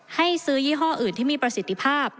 ให้ซื้อยี่ห้ออื่นที่มีประสิทธิภาพ